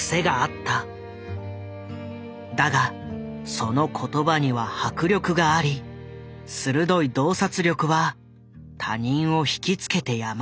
だがその言葉には迫力があり鋭い洞察力は他人を引き付けてやまなかった。